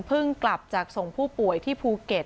เพิ่งกลับจากทรงผู้ป่วยที่ภูเก็ต